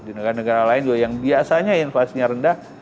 di negara negara lain juga yang biasanya inflasinya rendah